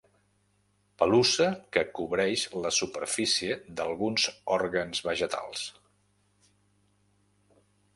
Pelussa que cobreix la superfície d'alguns òrgans vegetals.